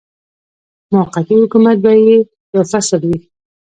موقتي حکومت به یې یو فصل وي.